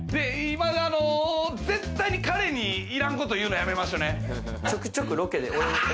絶対に彼にいらんこと言うの、やめましょうね。